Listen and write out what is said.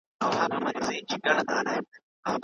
پوهه د انسان د کمال او وقار نښه ده.